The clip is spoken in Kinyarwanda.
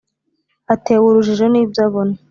atewe urujijo n’ibyo abona